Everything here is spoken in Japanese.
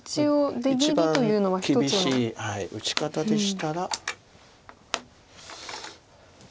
一番厳しい打ち方でしたら。